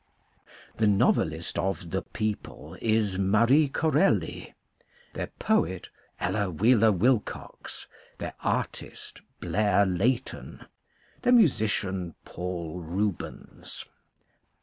The novelist of the people is Marie Corelli, their poet Ella Wheeler Wilcox, their artist Blair Leighton, their musician Paul Rubens.